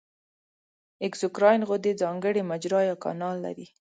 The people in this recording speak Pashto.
اګزوکراین غدې ځانګړې مجرا یا کانال لري.